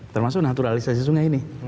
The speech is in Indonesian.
termasuk naturalisasi sungai ini